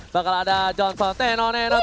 bakal ada johnson tenonenot